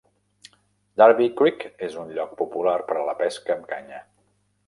Darby Creek és un lloc popular per a la pesca amb canya.